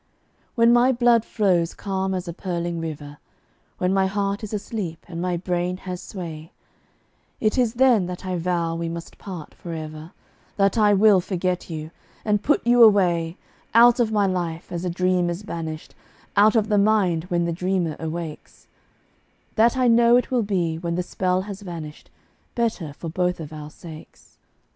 When my blood flows calm as a purling river, When my heart is asleep and my brain has sway, It is then that I vow we must part forever, That I will forget you, and put you away Out of my life, as a dream is banished Out of the mind when the dreamer awakes; That I know it will be, when the spell has vanished, Better for both of our sakes.